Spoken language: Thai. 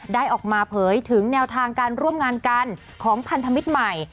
ได้ออกมาเผยถึงแนวทางการร่วมงานกันของพันธมิตรใหม่